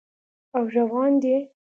او روان دي